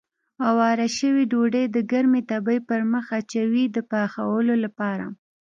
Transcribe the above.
اواره شوې ډوډۍ د ګرمې تبۍ پر مخ اچوي د پخولو لپاره.